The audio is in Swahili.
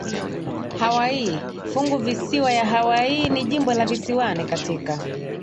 Hawaii Funguvisiwa ya Hawaii ni jimbo la visiwani katika